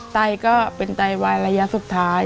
ไตก็เป็นไตวายระยะสุดท้าย